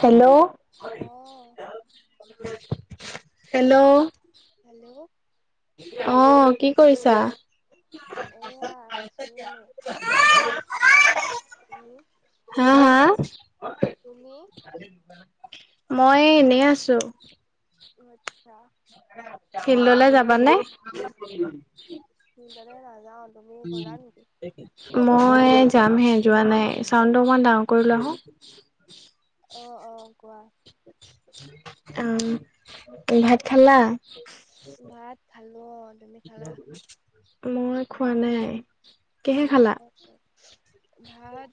Hello. অঁ hello. Hello. অ', কি কৰিছা? এইয়া আছোঁ এনে। [unintelligible] [unintelligible] হা, হা? তুমি মই এনেই আছোঁ। অ', আচ্ছা। ফিল্ডলৈ যাবা নে? ফিল্ডিলে নাযাওঁ তুমি গৈলা নেকি? মই যামহে, যোৱা নাই চাউণ্ডটো অকণমান ডাঙৰ কৰি লোৱা হোন। অ', অ', কোৱা। অ', ভাত খালা? ভাত খালো অ'। তুমি খালা মই খোৱা নাই, কিহে খালা? ভাত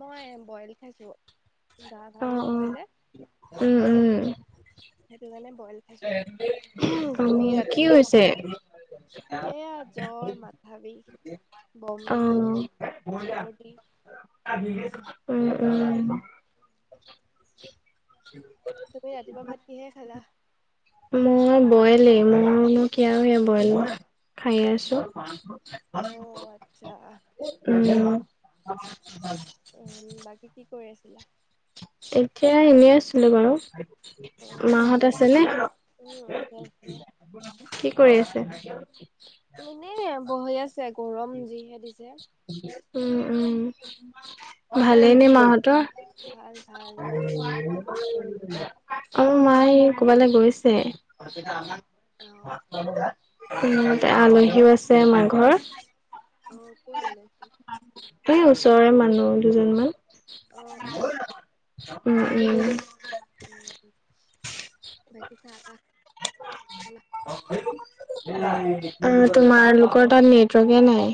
মই বইল খাইছোঁ। অ', অ', উম, উম। সেইটো কাৰানে বইল খাইছোঁ। অ তুমি কি ৰাতিপুৱা ভাত হৈছে? খোৱা এয়া জ্বৰ, মাথা বিষ, বমি। অ', চৰ্দী। উম, উম। [unintelligible] তুমি ৰাতিপুৱা ভাত কিহে খালা? মই বইলে মোৰো নো কি আৰু এই বইল ভাত। খাই আছোঁ। অ', আচ্ছা। উম। উম, বাকী কি কৰি আছিলা? তেতিয়া এনেই আছিলোঁ বাৰু। উম মাহঁত আছে নে? উম আছে আছে কি কৰি আছে? এনেই বহি আছে গৰম যিহে দিছে। উম, উম। অ ভালেই নে মাহঁতৰ ভাল ভাল তোমালোকৰ মাই কি কৰি [unintelligible] অ', মা এই ক' বালে গৈছে। অ আলহীও আছে আমাঘৰ। অ', ক' ৰ আলহি? এই ওচৰৰে মানুহ দুজনমান। অ', আ উম, উম। বাকী চাহ তাহ খালা। আৰু তোমাৰ লোকৰ তাত নেটৱৰ্কে নাই।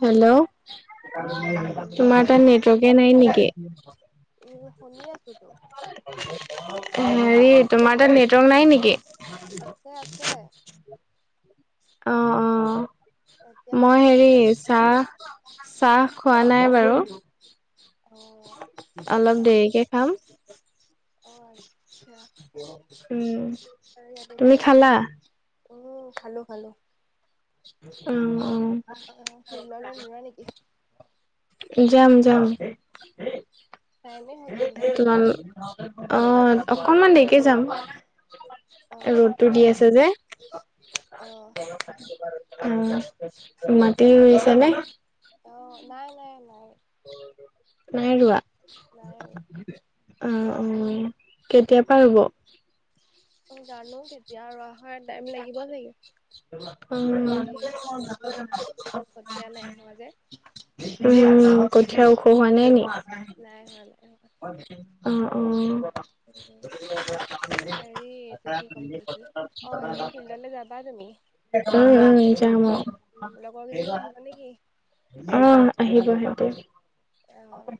হেল্ল'। অ মই শুনি তোমাৰ আছো তাত নেটৱৰ্কে নাই নেকি। শুনি আছো তো। হেৰি তোমাৰ তাত নেটৱৰ্ক নাই নেকি। আছে, আছে। অ', অ', এতিয়া মই শুনিছা নাই হেৰি চাহ চাহ খোৱা নাই বাৰু। অ অলপ দেৰিকে খাম। অ', আচ্চা। হম। আৰু ইয়াতকৈ কি উম খালোঁ খালোঁ। উম, উম। অ', ফিল্ডলে নৌৰা নেকি। যাম, যাম টাইমে হ'লচোন যাব তোমালোক অ', অকনমান দেৰিকে যাম। অ ৰ'দটো দি আছে যে। অ', অ মাটি ৰুইছানে? অ', নাই, নাই, নাই মই নাই ৰোৱা। নাই অ', অ', কেতিয়াৰ পৰা ৰুব? ত জানো কেতিয়া ৰুৱা হয় টাইম লাগিব চাগে। হেৰি কঠীয়া নাই উম। হোৱা যে উম, কঠীয়া ওখ হোৱা নাই নি। অ', নাই হোৱা নাই হোৱা অ'। হেৰি এইটো কি ক'ম ভাবিছিলো অ কি ফিল্ডলৈ যাবা তুমি উম, উম যাম অ'। মানে কি? উম আহিব সিহঁতে অ',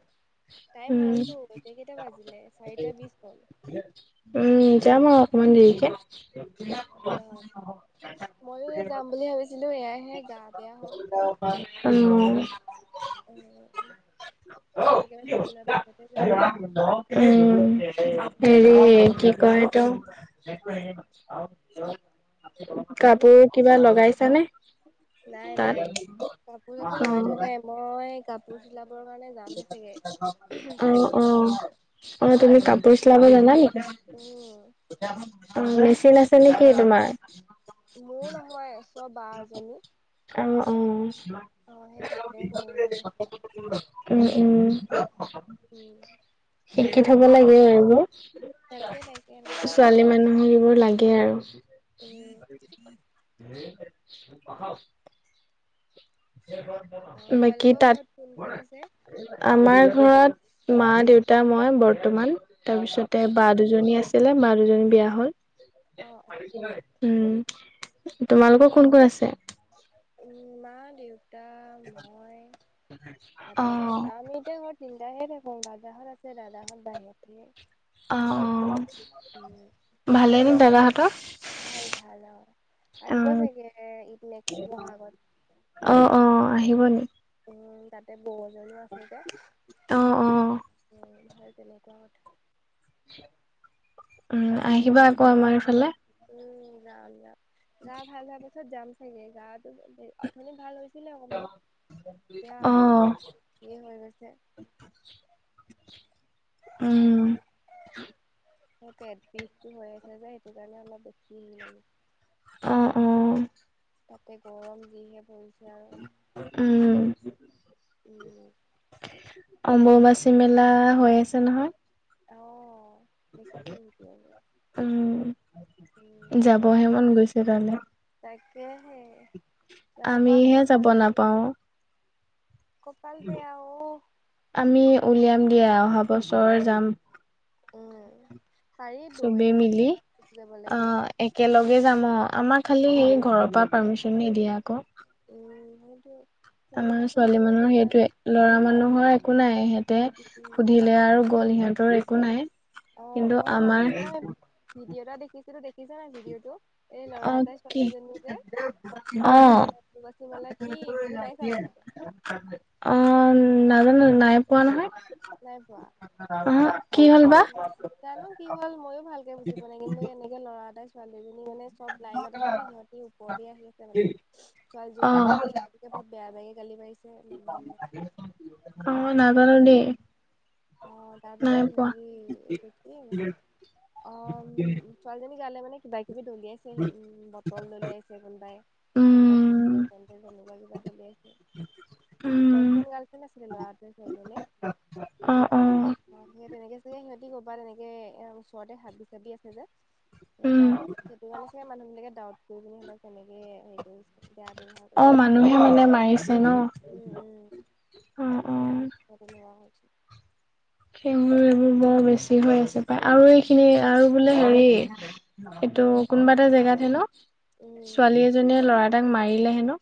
টাইম উম হ'লতো এতিয়া কেইটা বাজিলে চাৰিটা বিশ হ'ল। [inaudible] উম যাম আৰু অকমান দেৰিকে। [inaudible] অ', ময়ো যাম বুলি ভাবিছিলোঁ এয়াহে গা বেয়া হ'ল। উম। উম, একেবাৰে ভাল অৱস্থাতে যাম আৰু। উম, হেৰি কি কয় এইটো উম কাপোৰত কিবা লগাইছানে। নাই, তাত? নাই কাপোৰ চাপোৰ লগাই থোৱা অ', নাই মই কাপোৰ চিলাবৰ কাৰণে যামেই চাগে অ', কাইলৈৰ পৰা। অ'। অ', তুমি কাপোৰ চিলাব জানা নেকি? উম মেচিন আছে নেকি তোমাৰ? মোৰ নহয় ওচৰৰ বা এজনীৰ। অ', অ'। অ', সেই তাতে কৰিমগে। উম উম। উম। শিকি থব লাগে আৰু, তাকে তাকে লাগে ছোৱালী মানুহক এইবোৰ লাগে উম আৰু। [unintelligible] অ বাকী তোমালোকৰ তাত। ঘৰত কোন কোন আছে আমাৰ ঘৰত মা, দেউতা, মই বৰ্তমান। তাৰপিছতে বা দুজনী আছিলে বা দুজনী বিয়া হল। অ। উম' উম তোমালোকৰ কোন কোন আছে? উম' মা দেউ তা মই অ তাৰপাছত আমি তিনিটাহে থাকো, দাদাহঁত আছে, দাদাহঁত বাহিৰত থাকে। অ', অ'। উম। ভালে নে দাদাহঁতৰ? ভাল ভাল অ', অ আহিব চাগে ই নেক্স ব'হাগত। অ', অ', আহিব নি? উম, তাতে বৌ জনিও আছে যে, অ অ উম' সেই তেনেকুৱা কথা। উম, আহিবা আকৌ আমাৰ এইফালে। উম, যাম যাম, গা ভাল হোৱাৰ পাছত যাম চাগে, গাটো অথনি ভাল হৈ ছিলে অকমান, এতিয়া অ আকৌ একেই হৈ গৈছে। উম। সেই পেট বিষটো হৈ আছে যে সেইটো কাৰণে, অলপ বেছি অ', অ'। তাতে গৰম যিহে পৰিছে আৰু। উম। উম। অম্বুবাচি মেলা হৈ আছে নহয়। অ', দেখিছোঁ ভিডিঅবোৰত। উম, যাবহে মন গৈছে তালে। তাকেহে, যাব পৰা আমিহে হ'লে যাব ভাল আছিল। নাপাও কপাল বেয়া অ। আমি উলিয়াম দিয়া, অহা বছৰ যাম। পাৰিটো এনেকে [unintelligible] অ' একেলগে যাম অ', আমাৰ খালি উম ঘৰৰ পৰা পাৰ্মিচন নিদিয়ে আক। উম, সেইটোৱে। আমাৰ মানুহ ছোৱালী সেইটোৱে মানুহৰ বেয়া সেইটোৱে। আৰু ল'ৰা মানুহৰ একো নাই, সিহঁতে উম সুধিলে আৰু গ'ল, সিহঁতৰ একো নাই। অ', কিন্তু অ', আমাৰ কালি মই ভিডিঅ' এটা দেখিছিলো, দেখিছা নাই ভিডিঅটো? এই ল'ৰা অ' এটাই ছোৱালী কি, এজনী যে অ'। অম্বুবাচী মেলা কি বুজি পাইছা কথাটো অ', নাজানো নাই পোৱা নহয়। নাই পোৱা? ওহোঁ। উম, জানো কি হ'ল ময়ো ভালকে বুজি পোৱা নাই, কিন্তু এনেকে ল'ৰা এটাই ছোৱালী এজনীক মানে চব লাইনত আছে, সিহঁতি ওপৰ দি আহি আছে মানে। অ ছোৱালীজনী ল'ৰাটোকে বহুত বেয়া বেয়াকে গালি পাৰিছে মানুহখিনিয়ে। অ', নাজানো তাৰপাছত দেই। অ', নাই তাৰপাছত পোৱা হেৰী এটো কি অ', ছোৱালীজনী গালে মানে কিবা কিবি দলিয়াইছে উম, বটল দলিয়াইছে কোনোবাই, কোনবাই উম চেণ্ডেল-তেন্দেল তেনেকুৱা কিবা দলিয়াইছে। উম বয়ফ্ৰেণ্ড গাৰ্লফ্ৰেণ্ড আছিলে ল'ৰাটোৱে ছোৱালীজনীয়ে। অ অ সেই তেনেকে চাগে সিহঁতি ক'বাত তেনেকে এ ওচৰতে হাবি-চাবি আছে যে এই উম তাত, সেইটো কাৰণে চাগে মানুহ বিলাকে ডাউট কৰি পিনে সিহঁতক তেনেকে হেৰি কৰিছে। বেয়া ব্যৱহাৰ অ', কৰিছে মানুহে মানে মাৰিছে ন'? উম উম অ', অ'। [unintelligible] সেইবোৰ এইবোৰ বৰ বেছি হৈ আছে পাই আৰু এইখিনি আৰু বোলে হেৰি এইটো কোনোবা এটা জেগাত হেনো উম। ছোৱালী এজনীয়ে ল'ৰা এটাক মাৰিলে হেনো।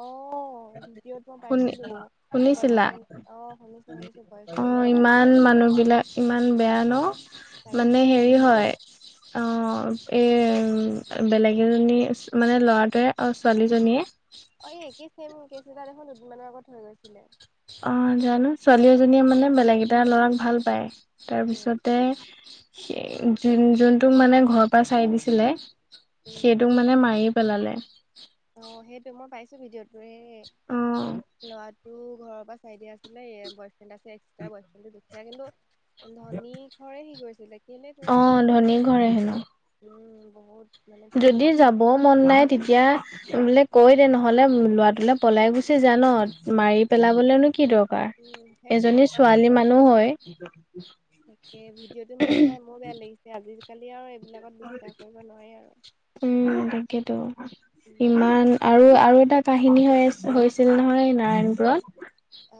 অ', ভিডিঅ'ত মই শুনি পাইছিলো শুনিছিলা বয়ফ্ৰেণ্ড অ', শুনিছো শুনিছো বয় অ', ইমান মানুহবিলাক ইমান বেয়া ন' মানে তাকে হেৰি হয় অ', এই বেলেগ এজনী মানে ল'ৰাটোৱে অ', ছোৱালীজনীয়ে অ', একেই ছেম কেচ এটা দেখোন দুদিনমানৰ আগত হৈ গৈছিলে। অ', জানো ছোৱালী এজনীয়ে মানে বেলেগ এটা ল'ৰাক ভাল পায় উম তাৰপিছত এ যোন-যোনটো মানে ঘৰৰ পৰা চাই দিছিলে উম সেইটোক মানে মাৰি পেলালে। অ', সেইটোৱে মই পাইছো ভিডিঅ'টো এ, অ ল'ৰাটো ঘৰৰ পৰা চাইদিয়া আছিলে এ বয়ফ্ৰেণ্ড আছে। তেতিয়া বয়ফ্ৰেণ্ড দুখিয়া কিন্তু ধনী ঘৰে সি গৈছিলে কেলে অ তেনেকোৱা কৰিলে। ধনী ঘৰে হেনো উম বহুত মানে ধনী যদি যাব মন নাই তেতিয়া বোলে কৈ দে নহ'লে ল'ৰাটোলে পলাই গুছি যা ন'? উম মাৰি পেলাবলেনো কি দৰকাৰ। উম সেইটোৱে এজনী ইমান ছোৱালী মানুহ হৈ তাকে ভিডিঅ'টো মোৰ চাই মোৰ বেয়া লাগিছে। আজিকালি আৰু এইবিলাকত বিস্বাস কৰিব নোৱাৰি আৰু। উম, তাকেতো। উম ইমান আৰু-আৰু এটা কাহিনী হৈ আ, হৈছিল নহয়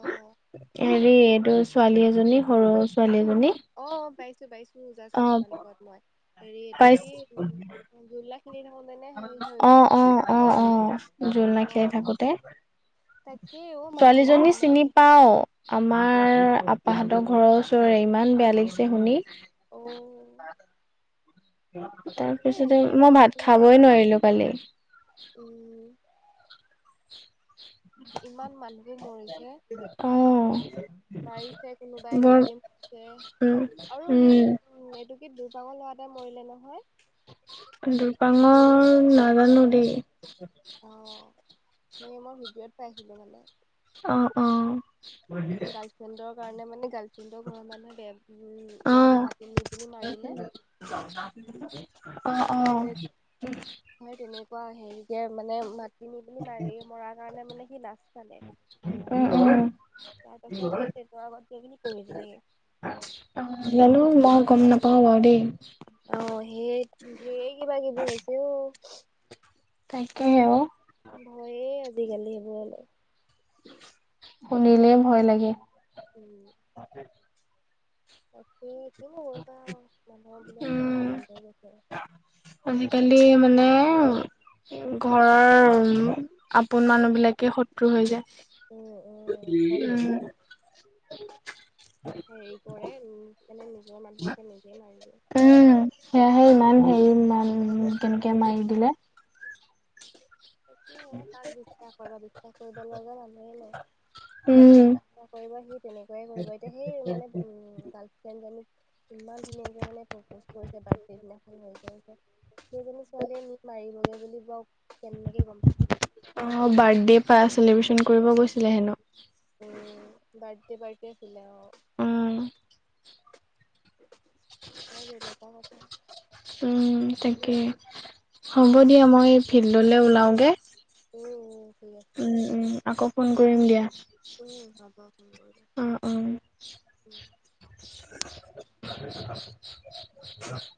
অ হেৰি এইটো ছোৱালী এজনী, সৰু ছোৱালী এজনী অ', পাইছোঁ পাইছোঁ, যাষ্ট অ অকণমান আগত মই হেৰি এইটো পাইছ কি জোলনা খেলি থাকোতেনে হেৰি হৈ অ গ'ল। অ অ', অ'। জোলনা অ খেলি থাকোতে, তাকেই অ মানুহবোৰ ছোৱালীজনী ইমান চিনি পাওঁ। আমাৰ আপাহঁতৰ ঘৰৰ ওচৰৰে, ইমান বেয়া লাগিছে শুনি। অ'। তাৰ তাকে পিছতে আজিকালি মই ভাত মানুহবোৰ যে খাবই নোৱাৰিলো কালি। উম। ইমান মানুহো মৰিছে। অ মাৰিছে কোনোবাই, বৰ নিজে মৰিছে। উম আৰু সেই উম উ, এইটো কি দুৰপাঙৰ ল'ৰাএটা মৰিলে নহয়। দুৰপাঙৰ নাজানো দেই। অ', সেই মই ভিডিঅ'ত পাইছিলো মানে। অ', অ'। গাৰ্লফ্ৰেণ্ডৰ কাৰণে মানে গাৰ্ল সিহঁতৰ ঘৰৰ মানুহে বে উম ল'ৰাটো মাতি নি পিনি মাৰিলে। অঁহ অঁ। মই তেনেকুৱা হেৰিকে মানে মাত মাতি নি পিনি মাৰি মৰাৰ কাৰণে মানে সি লাজ পালে। উম উম তাৰপাছত সেই টেইটৰ আগত গৈ পিনি পৰি দিলেগে। জানো মই গম নেপাওঁ বাৰু দেই। অঁ সেই ধেই কিবা কিবি হৈছে অ'। তাকেহে ঔ। ভয়েই আজিকালি সেইবোৰলে। শুনিলেই ভয় লাগে। উম। তাকেই কিনো কৰিবা আৰু মানুহ বিলাক উম, চব হেৰি হৈ গৈছে। আজিকালি মানে ঘৰৰ আপোন মানুহ বিলাকে শত্ৰু হৈ উম, উম, যায়। সেইটোৱে। উম। হেৰি কৰে উম সেইকাৰণে নিজৰ মানুহকে নিজে মাৰি দিয়ে। উম সেয়াহে ইমান হেৰি মান কেনেকে মাৰি দিলে। সেইটো কাক বিশ্বাস কৰিবা, বিশ্বাস কৰিব লগা মানুহেই নাই, উম, বাকী কৰিব সি তেনেকুৱাই কৰিব এতিয়া সেই মানে উম গাৰ্ল ফ্ৰেণ্ডজনীক ইমান ধুনীয়াকে মানে প্ৰপজ কৰিছে বাৰ্থ দিনাখন হেৰি কৰিছে। সেইজনী ছোৱালীয়ে নি মাৰিবগে বুলি বাও কেনেকে গম পাইছিলে। অঁ বাৰ্থডে পা চেলিব্ৰেচন কৰিব গৈছিলে হেনো। উ, বাৰ্থডে পাৰ্টি আছিলে অঁ। উম। নাই যেনেকুৱা কথা উম তাকে, হ'ব দিয়া মই ফিল্ডলে ওলাও গে। উম ঠিক আছে। উম ঠিক আছে। উম, আকৌ ফোন কৰিম দিয়া। উম', হ'ব ফোন কৰিব অ', অ'। উম। [unintelligible] [unintelligible]